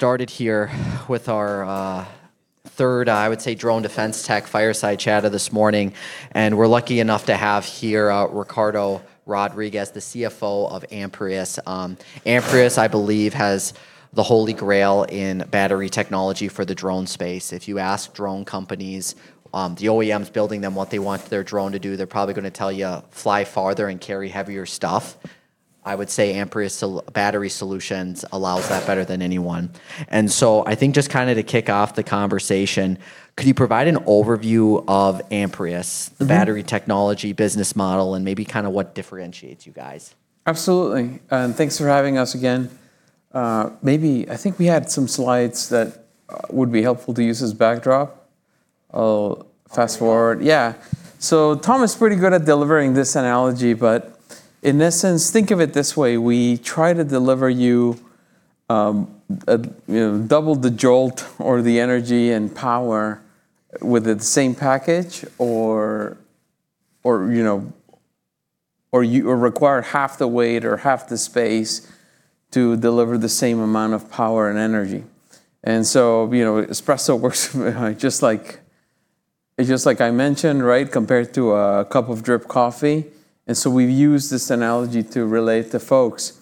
Started here with our third, I would say, drone defense tech fireside chat of this morning. We're lucky enough to have here Ricardo Rodriguez, the CFO of Amprius. Amprius, I believe, has the holy grail in battery technology for the drone space. If you ask drone companies, the OEMs building them what they want their drone to do, they're probably gonna tell you, "Fly farther and carry heavier stuff." I would say Amprius battery solutions allows that better than anyone. I think just kind of to kick off the conversation, could you provide an overview of Amprius battery technology business model, and maybe kind of what differentiates you guys? Absolutely. Thanks for having us again. Maybe, I think we had some slides that would be helpful to use as backdrop. I'll fast-forward. Yeah. Tom is pretty good at delivering this analogy, but in essence, think of it this way: we try to deliver you a, you know, double the jolt or the energy and power with the same package or, you know, or require half the weight or half the space to deliver the same amount of power and energy. You know, espresso works just like I mentioned, right? Compared to a cup of drip coffee. We've used this analogy to relate to folks.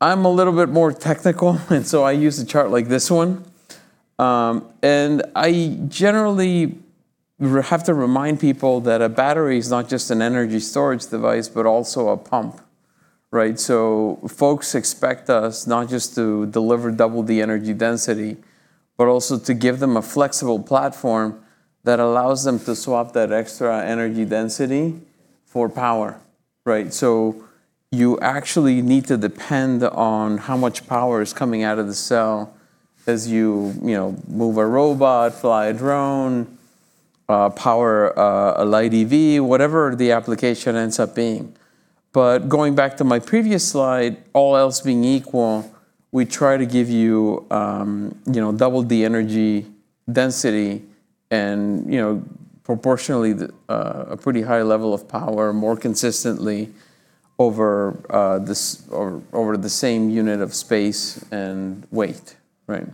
I'm a little bit more technical, and so I use a chart like this one. I generally have to remind people that a battery is not just an energy storage device, but also a pump, right? Folks expect us not just to deliver double the energy density, but also to give them a flexible platform that allows them to swap that extra energy density for power, right? You actually need to depend on how much power is coming out of the cell as you know, move a robot, fly a drone, power a light EV, whatever the application ends up being. Going back to my previous slide, all else being equal, we try to give you know, double the energy density and, you know, proportionally a pretty high level of power more consistently over the same unit of space and weight, right?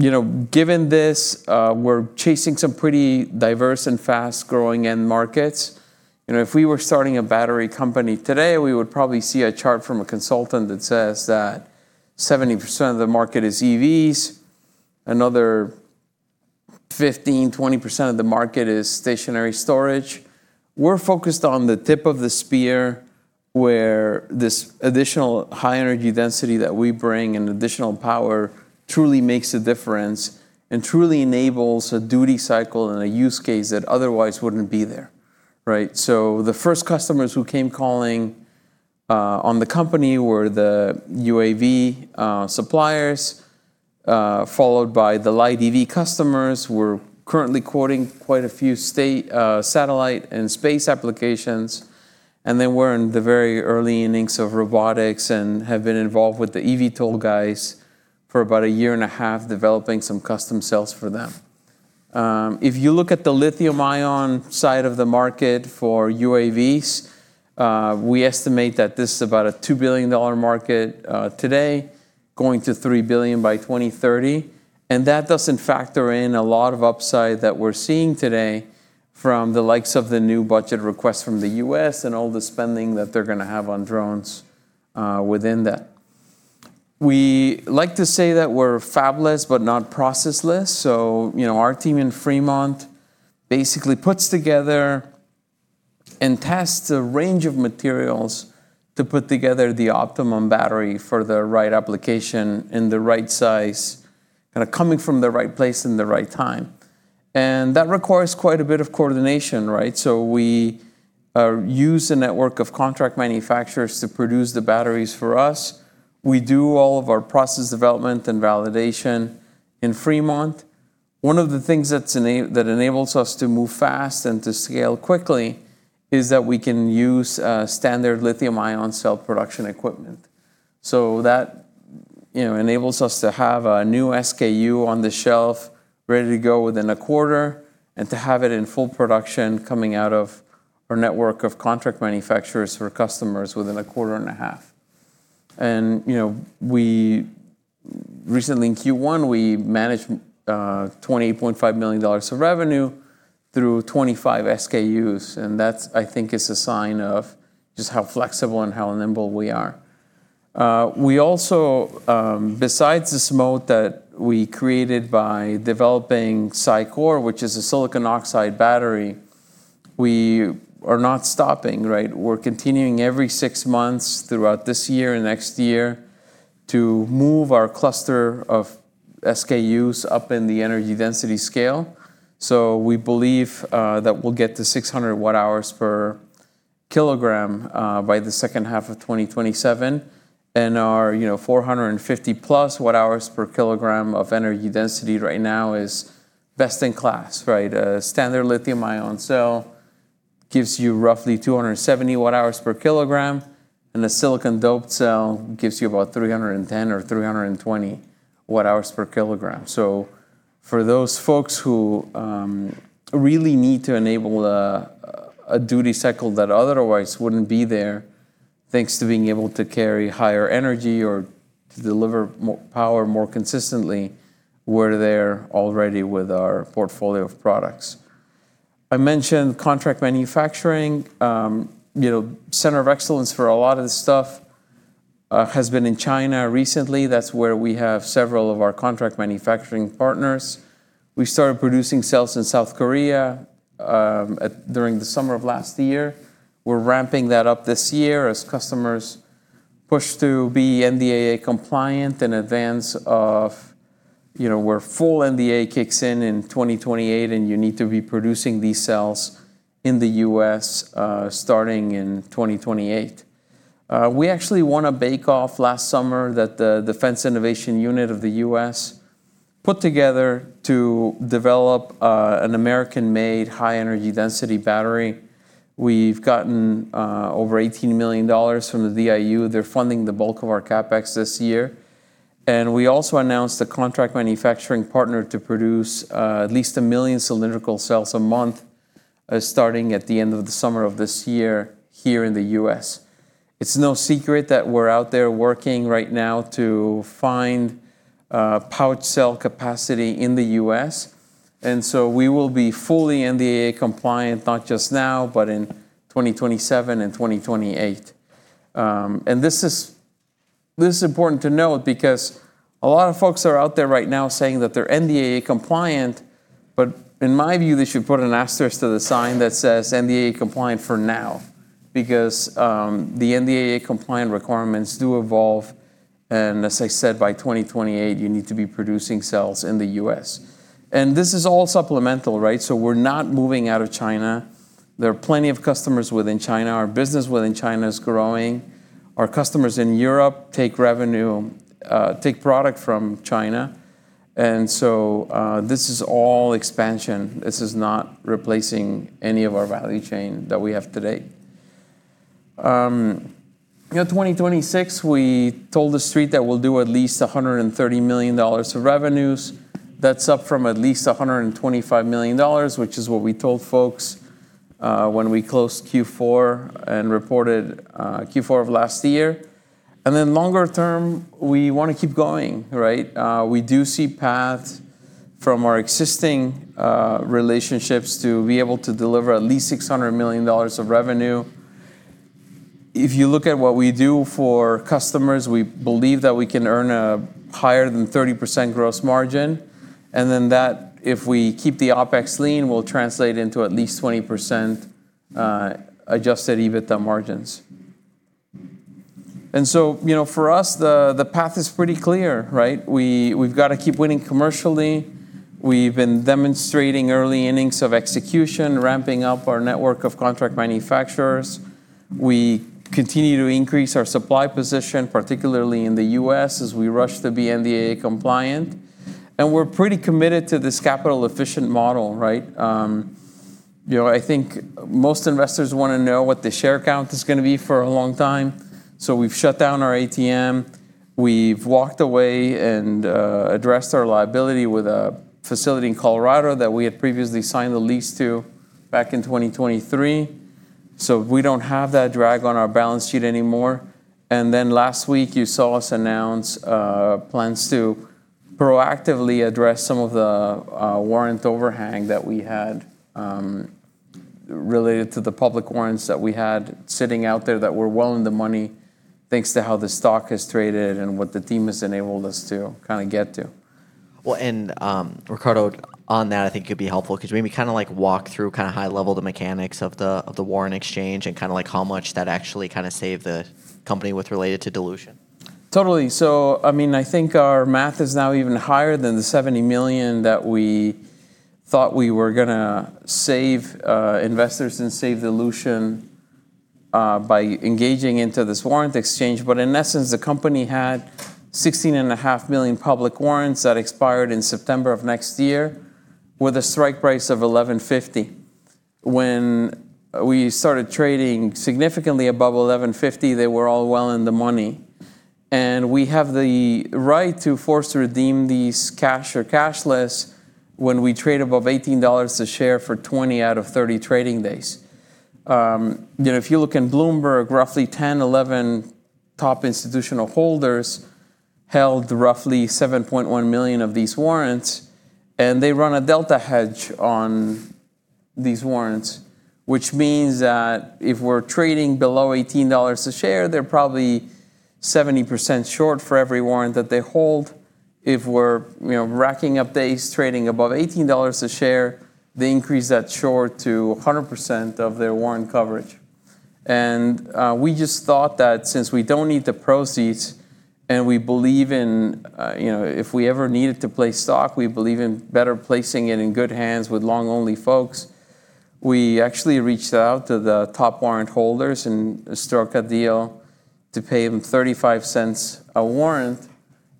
You know, given this, we're chasing some pretty diverse and fast-growing end markets. You know, if we were starting a battery company today, we would probably see a chart from a consultant that says that 70% of the market is EVs. Another 15%-20% of the market is stationary storage. We're focused on the tip of the spear where this additional high energy density that we bring and additional power truly makes a difference and truly enables a duty cycle and a use case that otherwise wouldn't be there, right? The first customers who came calling on the company were the UAV suppliers, followed by the light EV customers. We're currently quoting quite a few state, satellite and space applications. We're in the very early innings of robotics and have been involved with the eVTOL guys for about a year and a half, developing some custom cells for them. If you look at the lithium-ion side of the market for UAVs, we estimate that this is about a $2 billion market today, going to $3 billion by 2030. That doesn't factor in a lot of upside that we're seeing today from the likes of the new budget request from the U.S. and all the spending that they're going to have on drones within that. We like to say that we're fabless but not processless. You know, our team in Fremont basically puts together and tests a range of materials to put together the optimum battery for the right application in the right size, and are coming from the right place in the right time. That requires quite a bit of coordination, right? We use a network of contract manufacturers to produce the batteries for us. We do all of our process development and validation in Fremont. One of the things that enables us to move fast and to scale quickly is that we can use standard lithium-ion cell production equipment. That, you know, enables us to have a new SKU on the shelf ready to go within a quarter, and to have it in full production coming out of our network of contract manufacturers for customers within a quarter and a half. You know, we recently in Q1, we managed $28.5 million of revenue through 25 SKUs, and that, I think, is a sign of just how flexible and how nimble we are. We also, besides this mode that we created by developing SiCore, which is a silicon oxide battery, we are not stopping, right? We're continuing every six months throughout this year and next year to move our cluster of SKUs up in the energy density scale. We believe that we'll get to 600 Wh/kg by the second half of 2027. Our, you know, 450+ Wh/kg of energy density right now is best in class, right? A standard lithium-ion cell gives you roughly 270 Wh/kg, and the silicon doped cell gives you about 310 Wh/kg or 320 Wh/kg. For those folks who really need to enable a duty cycle that otherwise wouldn't be there, thanks to being able to carry higher energy or to deliver power more consistently, we're there already with our portfolio of products. I mentioned contract manufacturing. You know, center of excellence for a lot of the stuff has been in China recently. That's where we have several of our contract manufacturing partners. We started producing cells in South Korea during the summer of last year. We're ramping that up this year as customers push to be NDAA compliant in advance of, you know, where full NDAA kicks in in 2028, and you need to be producing these cells in the U.S. starting in 2028. We actually won a bake-off last summer that the Defense Innovation Unit of the U.S. put together to develop an American-made high-energy density battery. We've gotten over $18 million from the DIU. They're funding the bulk of our CapEx this year. We also announced a contract manufacturing partner to produce at least 1 million cylindrical cells a month starting at the end of the summer of this year here in the U.S. It's no secret that we're out there working right now to find pouch cell capacity in the U.S. We will be fully NDAA compliant, not just now, but in 2027 and 2028. This is, this is important to note because a lot of folks are out there right now saying that they're NDAA compliant, but in my view, they should put an asterisk to the sign that says, "NDAA compliant for now," because the NDAA compliant requirements do evolve. As I said, by 2028, you need to be producing cells in the U.S. This is all supplemental, right? We're not moving out of China. There are plenty of customers within China. Our business within China is growing. Our customers in Europe take product from China. This is all expansion. This is not replacing any of our value chain that we have today. You know, 2026, we told the Street that we'll do at least $130 million of revenues. That's up from at least $125 million, which is what we told folks when we closed Q4 and reported Q4 of last year. Longer term, we wanna keep going, right? We do see paths from our existing relationships to be able to deliver at least $600 million of revenue. If you look at what we do for customers, we believe that we can earn a higher than 30% gross margin, that, if we keep the OpEx lean, will translate into at least 20% Adjusted EBITDA margins. You know, for us, the path is pretty clear, right? We've gotta keep winning commercially. We've been demonstrating early innings of execution, ramping up our network of contract manufacturers. We continue to increase our supply position, particularly in the U.S., as we rush to be NDAA compliant. We're pretty committed to this capital-efficient model, right? You know, I think most investors wanna know what the share count is gonna be for a long time. We've shut down our ATM. We've walked away and addressed our liability with a facility in Colorado that we had previously signed the lease to back in 2023. We don't have that drag on our balance sheet anymore. Last week, you saw us announce plans to proactively address some of the warrant overhang that we had related to the public warrants that we had sitting out there that were well in the money, thanks to how the stock has traded and what the team has enabled us to kinda get to. Well, Ricardo, on that, I think it'd be helpful could you maybe kinda like walk through kinda high level the mechanics of the warrant exchange and kinda like how much that actually kinda saved the company with related to dilution? Totally. I mean, I think our math is now even higher than the $70 million that we thought we were gonna save investors and save dilution by engaging into this warrant exchange. In essence, the company had $16.5 million public warrants that expired in September of next year with a strike price of $11.50. When we started trading significantly above $11.50, they were all well in the money. We have the right to force redeem these cash or cashless when we trade above $18 a share for 20 out of 30 trading days. You know, if you look in Bloomberg, roughly 10, 11 top institutional holders held roughly 7.1 million of these warrants, and they run a delta hedge on these warrants, which means that if we're trading below $18 a share, they're probably 70% short for every warrant that they hold. If we're, you know, racking up days trading above $18 a share, they increase that short to 100% of their warrant coverage. We just thought that since we don't need the proceeds and we believe in, you know, if we ever needed to place stock, we believe in better placing it in good hands with long-only folks. We actually reached out to the top warrant holders and struck a deal to pay them $0.35 a warrant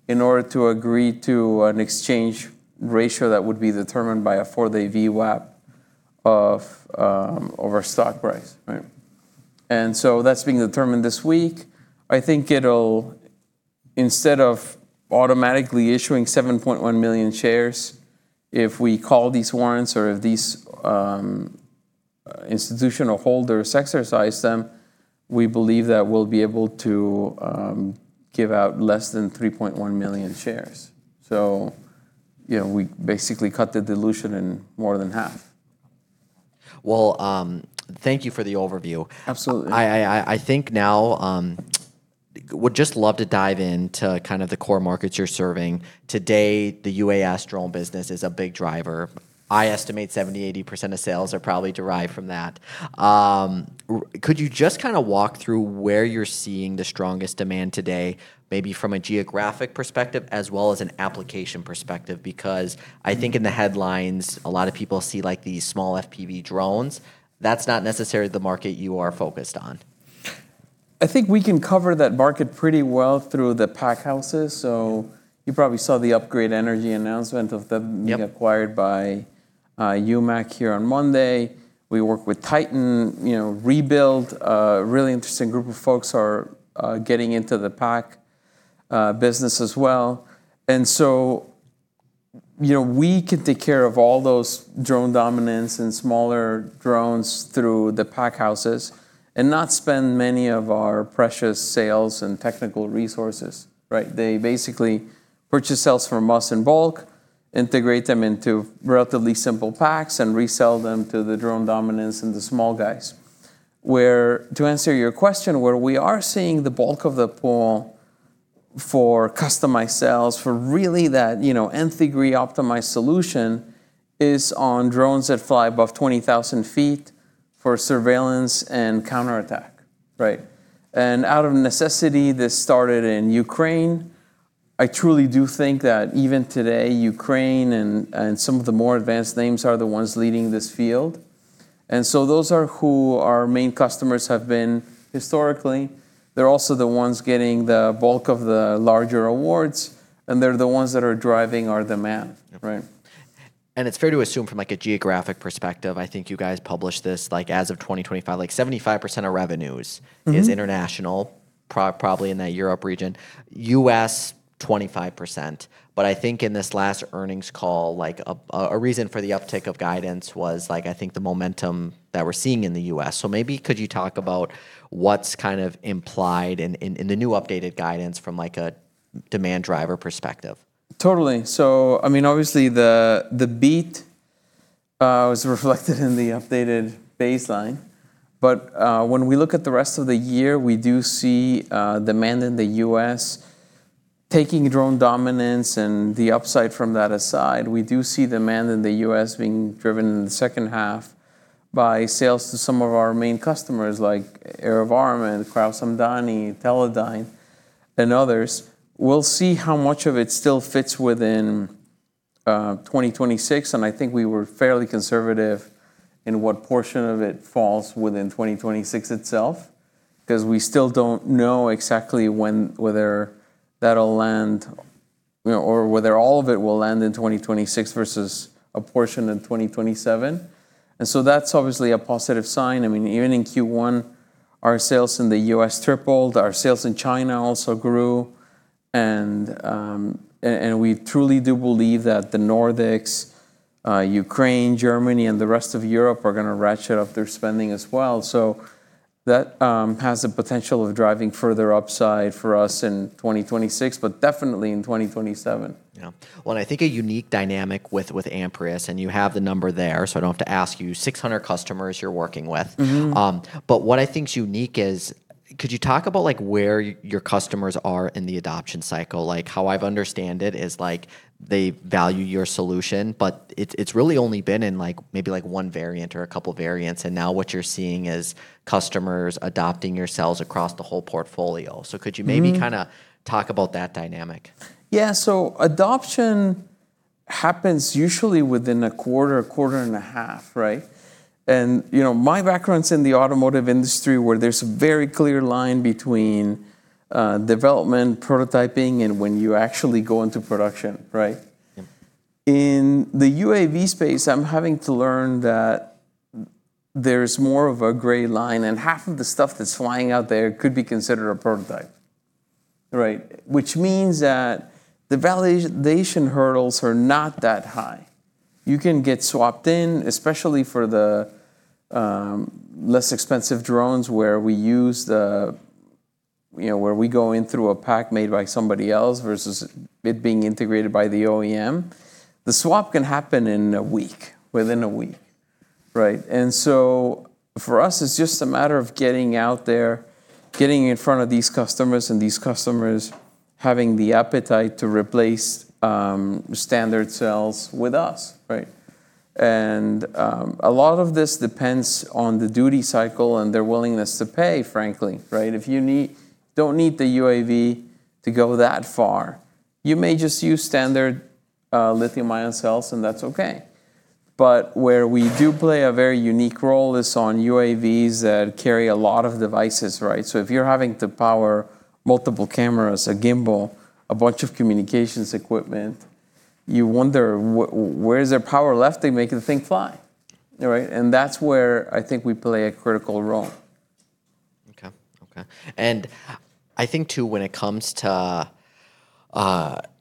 in order to agree to an exchange ratio that would be determined by a four-day VWAP of our stock price, right? That's being determined this week. I think instead of automatically issuing 7.1 million shares, if we call these warrants or if these institutional holders exercise them, we believe that we'll be able to give out less than 3.1 million shares. You know, we basically cut the dilution in more than half. Well, thank you for the overview. Absolutely. I think now would just love to dive into kind of the core markets you're serving. Today, the UAS drone business is a big driver. I estimate 70%, 80% of sales are probably derived from that. Could you just kind of walk through where you're seeing the strongest demand today, maybe from a geographic perspective as well as an application perspective? I think in the headlines, a lot of people see like these small FPV drones. That's not necessarily the market you are focused on. I think we can cover that market pretty well through the pack houses. You probably saw the Upgrade Energy announcement. Yep being acquired by UMAC here on Monday. We work with Titan, you know, ReBuild. A really interesting group of folks are getting into the pack business as well. You know, we can take care of all those drone dominants and smaller drones through the pack houses and not spend many of our precious sales and technical resources, right? They basically purchase cells from us in bulk, integrate them into relatively simple packs, and resell them to the drone dominants and the small guys. To answer your question, where we are seeing the bulk of the pull for customized cells, for really that, you know, nth degree optimized solution, is on drones that fly above 20,000 ft for surveillance and counterattack, right? Out of necessity, this started in Ukraine. I truly do think that even today, Ukraine and some of the more advanced names are the ones leading this field. Those are who our main customers have been historically. They're also the ones getting the bulk of the larger awards, and they're the ones that are driving our demand. Yep. Right? It's fair to assume from like a geographic perspective, I think you guys published this, like as of 2025, like 75% of revenues. is international, probably in that Europe region. U.S., 25%. I think in this last earnings call, like a reason for the uptick of guidance was, I think, the momentum that we're seeing in the U.S. Maybe could you talk about what's kind of implied in the new updated guidance from like a demand driver perspective? Totally. I mean, obviously the beat was reflected in the updated baseline. When we look at the rest of the year, we do see demand in the U.S. Taking drone dominance and the upside from that aside, we do see demand in the U.S. being driven in the second half by sales to some of our main customers like AeroVironment, Kraus Hamdani, Teledyne, and others. We'll see how much of it still fits within 2026, and I think we were fairly conservative in what portion of it falls within 2026 itself, 'cause we still don't know exactly when, whether that'll land, you know, or whether all of it will land in 2026 versus a portion in 2027. That's obviously a positive sign. I mean, even in Q1, our sales in the U.S. tripled. Our sales in China also grew. We truly do believe that the Nordics, Ukraine, Germany, and the rest of Europe are gonna ratchet up their spending as well. That has the potential of driving further upside for us in 2026, but definitely in 2027. Yeah. Well, I think a unique dynamic with Amprius, and you have the number there, so I don't have to ask you, 600 customers you're working with. What I think is unique is could you talk about like where your customers are in the adoption cycle? How I've understand it is like they value your solution, but it's really only been in like maybe like one variant or a couple variants, now what you're seeing is customers adopting your cells across the whole portfolio. Could you maybe kinda talk about that dynamic? Yeah. Adoption happens usually within a quarter, a quarter and a half, right? You know, my background's in the automotive industry, where there's a very clear line between development, prototyping, and when you actually go into production, right? Yeah. In the UAV space, I'm having to learn that there's more of a gray line, and half of the stuff that's flying out there could be considered a prototype, right? Which means that the validation hurdles are not that high. You can get swapped in, especially for the less expensive drones where we use the, you know, where we go in through a pack made by somebody else versus it being integrated by the OEM. The swap can happen in a week, within a week, right? For us, it's just a matter of getting out there, getting in front of these customers, and these customers having the appetite to replace standard cells with us, right? A lot of this depends on the duty cycle and their willingness to pay, frankly, right? If you don't need the UAV to go that far, you may just use standard lithium-ion cells, and that's okay. Where we do play a very unique role is on UAVs that carry a lot of devices, right? If you're having to power multiple cameras, a gimbal, a bunch of communications equipment, you wonder where is there power left to make the thing fly? All right. That's where I think we play a critical role. Okay, okay. I think, too, when it comes to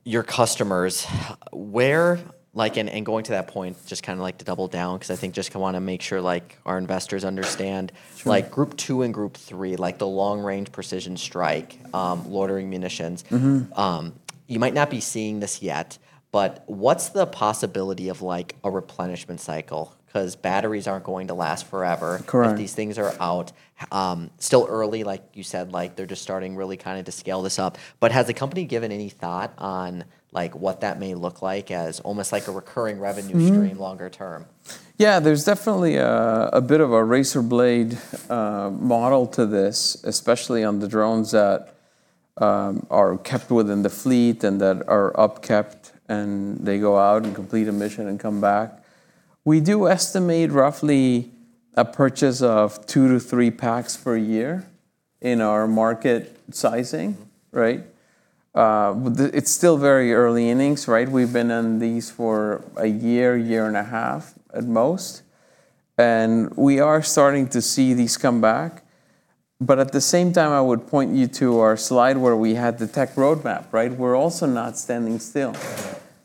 your customers, where, like, going to that point, just kind of like to double down because I think just I want to make sure, like, our investors understand. Sure. Like Group 2 and Group 3, like the long range precision strike, loitering munitions. You might not be seeing this yet, but what's the possibility of, like, a replenishment cycle? 'Cause batteries aren't going to last forever. Correct. If these things are out, still early, like you said, like they're just starting really kind of to scale this up. Has the company given any thought on, like, what that may look like as almost like a recurring revenue stream longer term? There's definitely a bit of a razor blade model to this, especially on the drones that are kept within the fleet and that are upkept and they go out and complete a mission and come back. We do estimate roughly a purchase of two to three packs per year in our market sizing, right? It's still very early innings, right? We've been in these for a year and a half at most, and we are starting to see these come back. At the same time, I would point you to our slide where we had the tech roadmap, right? We're also not standing still.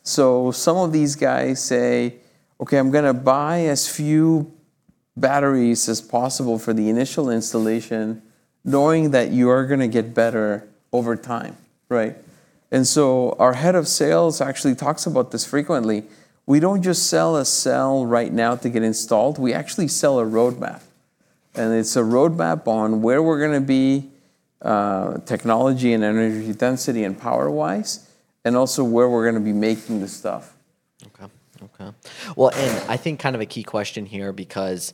Some of these guys say, "Okay, I'm gonna buy as few batteries as possible for the initial installation," knowing that you are gonna get better over time, right? Our head of sales actually talks about this frequently. We don't just sell a cell right now to get installed, we actually sell a roadmap. It's a roadmap on where we're gonna be, technology and energy density and power wise, and also where we're gonna be making the stuff. Okay, okay. Well, I think kind of a key question here because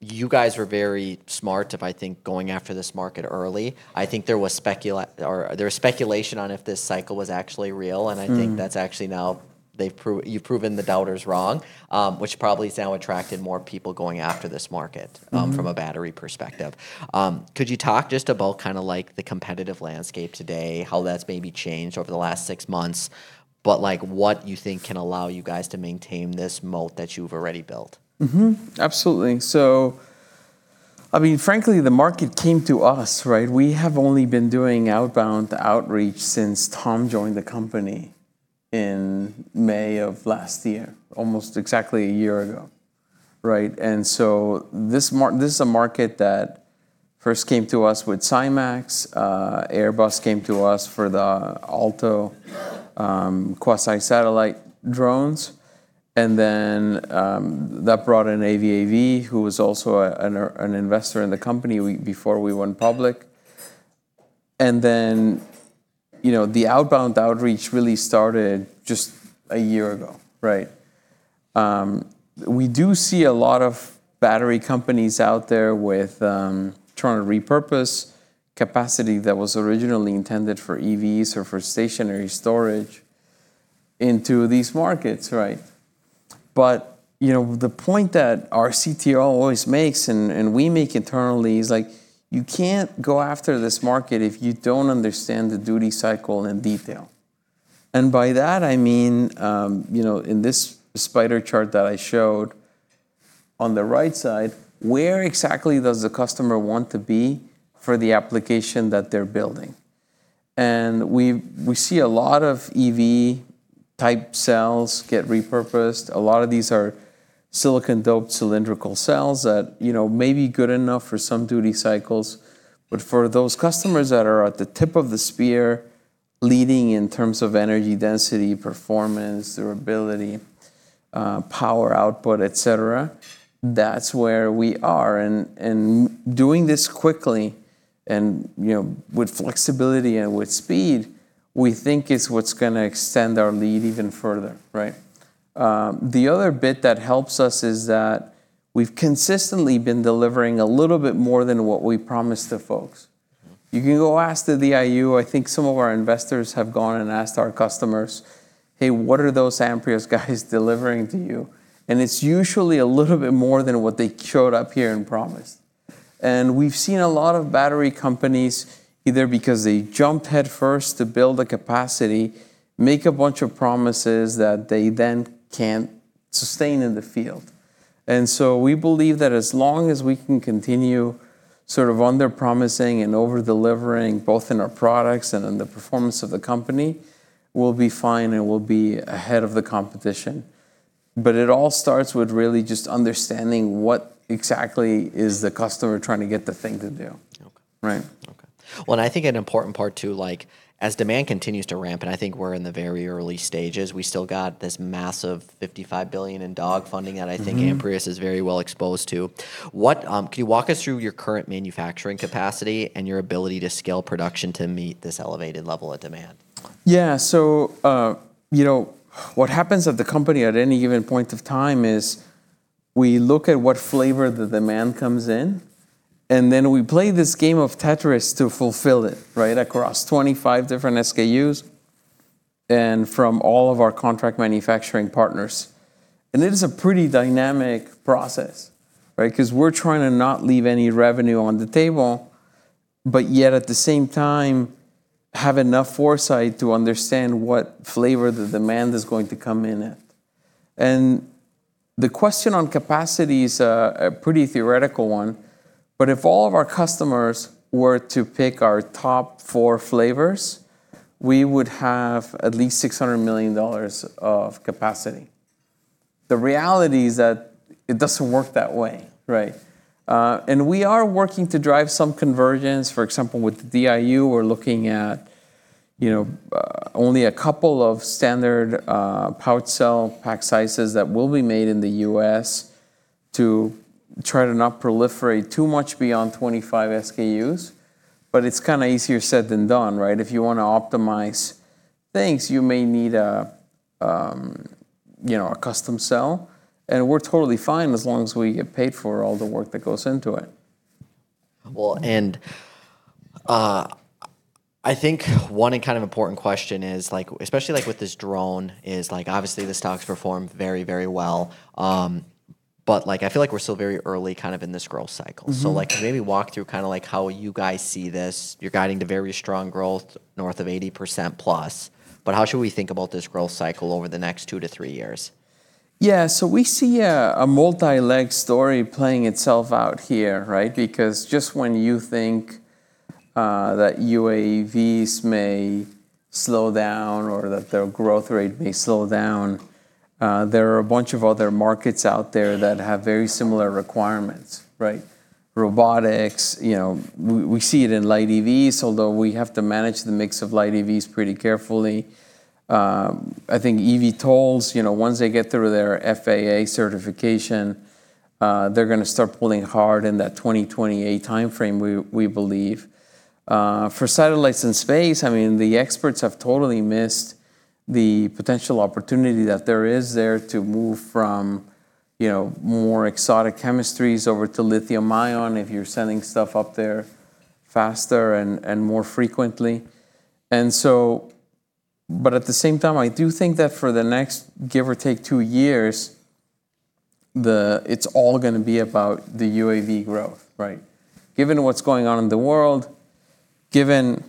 you guys were very smart if, I think, going after this market early. I think there was speculation on if this cycle was actually real. I think that's actually now they've proven the doubters wrong. Which probably has now attracted more people going after this market. From a battery perspective. Could you talk just about kind of like the competitive landscape today, how that's maybe changed over the last six months, but like what you think can allow you guys to maintain this moat that you've already built? Absolutely. I mean, frankly, the market came to us, right? We have only been doing outbound outreach since Tom Stepien joined the company in May of last year, almost exactly a year ago, right? This is a market that first came to us with SiMaxx. Airbus came to us for the AALTO quasi satellite drones. Then, that brought in AVAV, who was also an investor in the company before we went public. Then, you know, the outbound outreach really started just a year ago, right? We do see a lot of battery companies out there with trying to repurpose capacity that was originally intended for EVs or for stationary storage into these markets, right? You know, the point that our CTO always makes and we make internally is like, you can't go after this market if you don't understand the duty cycle in detail. By that I mean, you know, in this spider chart that I showed on the right side, where exactly does the customer want to be for the application that they're building? We see a lot of EV type cells get repurposed. A lot of these are silicon doped cylindrical cells that, you know, may be good enough for some duty cycles. For those customers that are at the tip of the spear leading in terms of energy density, performance, durability, power output, et cetera, that's where we are. Doing this quickly and, you know, with flexibility and with speed, we think is what's gonna extend our lead even further, right? The other bit that helps us is that we've consistently been delivering a little bit more than what we promised to folks. You can go ask the DIU. I think some of our investors have gone and asked our customers, "Hey, what are those Amprius guys delivering to you?" It's usually a little bit more than what they showed up here and promised. We've seen a lot of battery companies, either because they jumped headfirst to build the capacity, make a bunch of promises that they then can't sustain in the field. We believe that as long as we can continue sort of under promising and over delivering, both in our products and in the performance of the company, we'll be fine and we'll be ahead of the competition. It all starts with really just understanding what exactly is the customer trying to get the thing to do. Okay. Right. Okay. Well, I think an important part, too, like as demand continues to ramp, and I think we're in the very early stages, we still got this massive $55 billion in DOD funding. Amprius is very well exposed to. What, can you walk us through your current manufacturing capacity and your ability to scale production to meet this elevated level of demand? You know, what happens at the company at any given point of time is we look at what flavor the demand comes in, then we play this game of Tetris to fulfill it, right? Across 25 different SKUs and from all of our contract manufacturing partners. It is a pretty dynamic process, right? 'Cause we're trying to not leave any revenue on the table. At the same time have enough foresight to understand what flavor the demand is going to come in at. The question on capacity is a pretty theoretical one, but if all of our customers were to pick our top four flavors, we would have at least $600 million of capacity. The reality is that it doesn't work that way, right? We are working to drive some convergence, for example, with DIU, we're looking at, only a couple of standard pouch cell pack sizes that will be made in the U.S. to try to not proliferate too much beyond 25 SKUs, but it's kind of easier said than done, right? If you want to optimize things, you may need a custom cell, we're totally fine as long as we get paid for all the work that goes into it. I think one and kind of important question is, like, especially like with this drone, is, like, obviously the stock's performed very, very well. I feel like we're still very early kind of in this growth cycle. Like, maybe walk through kinda like how you guys see this. You're guiding to very strong growth north of 80% plus, but how should we think about this growth cycle over the next two to three years? Yeah. We see a multi-leg story playing itself out here, right? Just when you think that UAVs may slow down or that their growth rate may slow down, there are a bunch of other markets out there that have very similar requirements, right? Robotics, you know. We see it in light EVs, although we have to manage the mix of light EVs pretty carefully. I think eVTOLs, you know, once they get through their FAA certification, they're gonna start pulling hard in that 2028 timeframe we believe. For satellites in space, I mean, the experts have totally missed the potential opportunity that there is there to move from, you know, more exotic chemistries over to lithium-ion if you're sending stuff up there faster and more frequently. At the same time, I do think that for the next, give or take, two years, it's all going to be about the UAV growth, right? Given what's going on in the world, given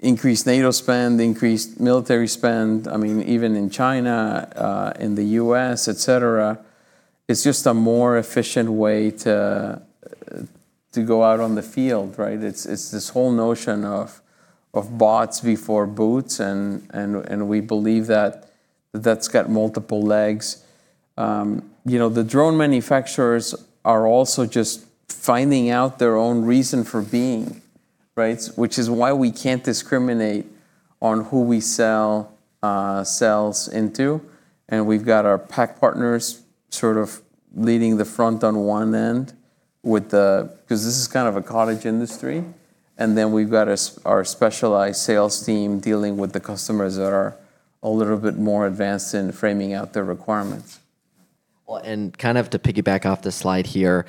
increased NATO spend, increased military spend, I mean, even in China, in the U.S., et cetera, it's just a more efficient way to go out on the field, right? It's, it's this whole notion of bots before boots and we believe that that's got multiple legs. You know, the drone manufacturers are also just finding out their own reason for being, right? Which is why we can't discriminate on who we sell cells into. We've got our pack partners sort of leading the front on one end with the, because this is kind of a cottage industry, and then we've got our specialized sales team dealing with the customers that are a little bit more advanced in framing out the requirements. Kind of to piggyback off the slide here,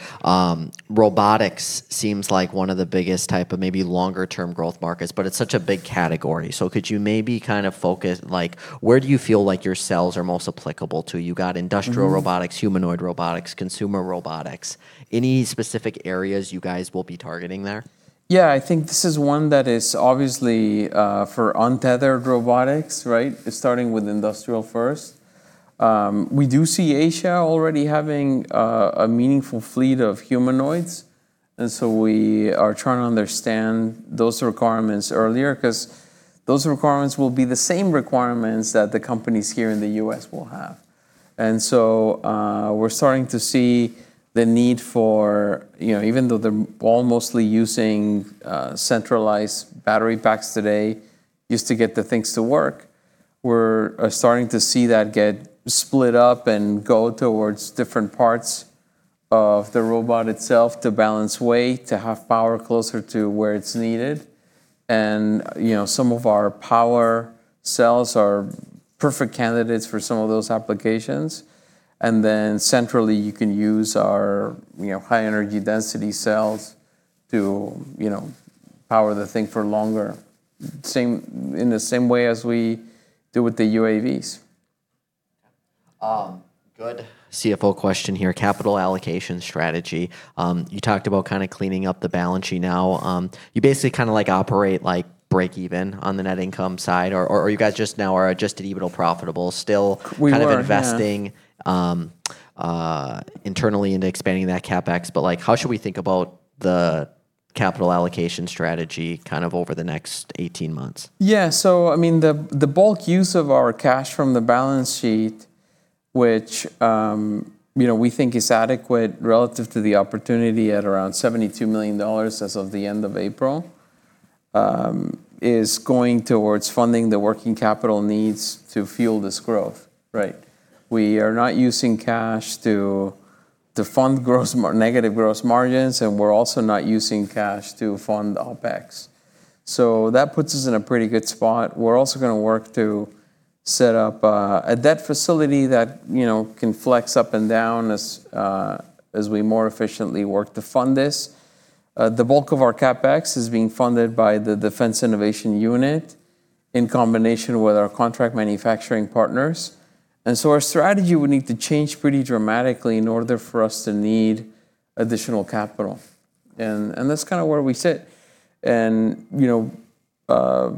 robotics seems like one of the biggest type of maybe longer term growth markets, but it's such a big category. Could you maybe kind of focus, like, where do you feel like your cells are most applicable to? You got industrial robotics, humanoid robotics, consumer robotics. Any specific areas you guys will be targeting there? Yeah. I think this is one that is obviously for untethered robotics, right? Starting with industrial first. We do see Asia already having a meaningful fleet of humanoids, we are trying to understand those requirements earlier 'cause those requirements will be the same requirements that the companies here in the U.S. will have. We're starting to see the need for, you know, even though they're all mostly using centralized battery packs today just to get the things to work, we're starting to see that get split up and go towards different parts of the robot itself to balance weight, to have power closer to where it's needed. You know, some of our power cells are perfect candidates for some of those applications. Then centrally, you can use our, you know, high energy density cells to, you know, power the thing for longer, in the same way as we do with the UAVs. Good CFO question here, capital allocation strategy. You talked about kinda cleaning up the balance sheet now. You basically kinda like operate break even on the net income side or you guys just now are just at EBITDA profitable? We were, yeah. Kind of investing, internally into expanding that CapEx. Like, how should we think about the capital allocation strategy kind of over the next 18 months? I mean, the bulk use of our cash from the balance sheet, which, you know, we think is adequate relative to the opportunity at around $72 million as of the end of April, is going towards funding the working capital needs to fuel this growth, right? We are not using cash to fund negative gross margins, we're also not using cash to fund OpEx. That puts us in a pretty good spot. We're also gonna work to set up a debt facility that, you know, can flex up and down as we more efficiently work to fund this. The bulk of our CapEx is being funded by the Defense Innovation Unit in combination with our contract manufacturing partners. Our strategy would need to change pretty dramatically in order for us to need additional capital. That's kind of where we sit. You know,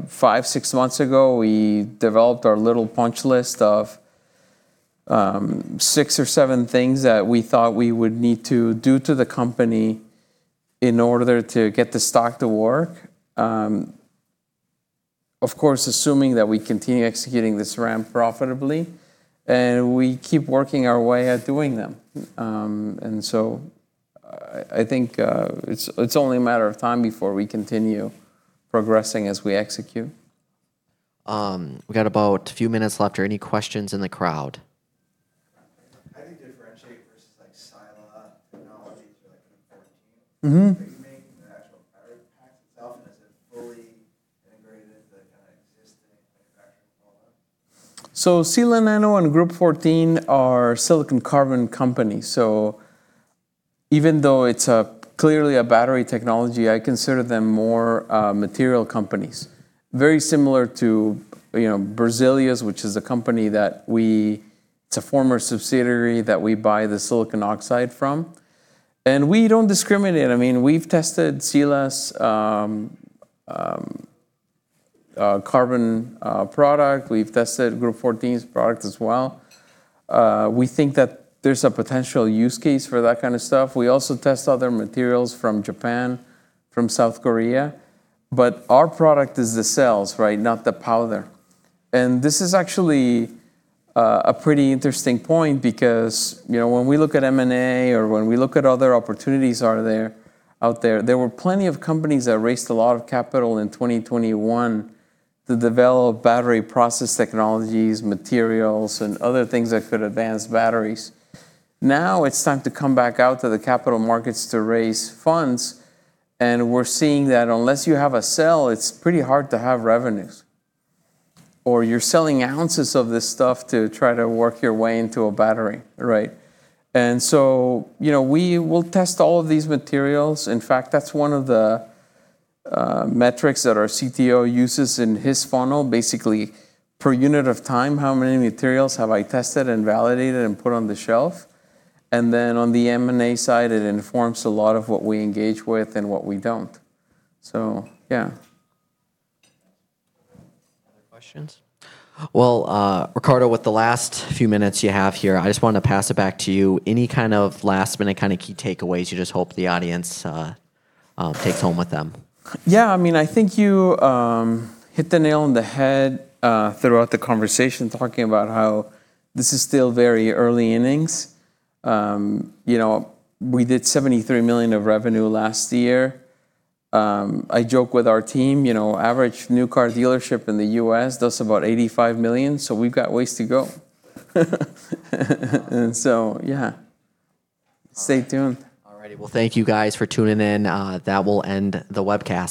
five, six months ago, we developed our little punch list of six or seven things that we thought we would need to do to the company in order to get the stock to work. Of course, assuming that we continue executing this ramp profitably, and we keep working our way at doing them. I think it's only a matter of time before we continue progressing as we execute. We got about a few minutes left. Are any questions in the crowd? How do you differentiate versus, like, Sila Nanotechnologies or, like, Group14? Are you making the actual power packs itself, and is it fully integrated into, kind of, existing manufacturing? Sila Nano and Group14 are silicon carbon companies. Even though it's clearly a battery technology, I consider them more material companies. Very similar to, you know, Berzelius, which is a company that It's a former subsidiary that we buy the silicon oxide from. We don't discriminate. I mean, we've tested Sila's carbon product. We've tested Group14's product as well. We think that there's a potential use case for that kind of stuff. We also test other materials from Japan, from South Korea, but our product is the cells, right? Not the powder. This is actually, a pretty interesting point because, you know, when we look at M&A or when we look at other opportunities out there were plenty of companies that raised a lot of capital in 2021 to develop battery process technologies, materials, and other things that could advance batteries. Now it's time to come back out to the capital markets to raise funds, and we're seeing that unless you have a sell, it's pretty hard to have revenues, or you're selling ounces of this stuff to try to work your way into a battery, right? You know, we will test all of these materials. In fact, that's one of the metrics that our CTO uses in his funnel. Basically, per unit of time, how many materials have I tested and validated and put on the shelf? On the M&A side, it informs a lot of what we engage with and what we don't. Yeah. Other questions? Well, Ricardo, with the last few minutes you have here, I just want to pass it back to you. Any kind of last-minute kind of key takeaways you just hope the audience takes home with them? Yeah, I mean, I think you hit the nail on the head throughout the conversation, talking about how this is still very early innings. You know, we did $73 million of revenue last year. I joke with our team, you know, average new car dealership in the U.S. does about $85 million, so we've got ways to go. Yeah, stay tuned. All righty. Well, thank you guys for tuning in. That will end the webcast.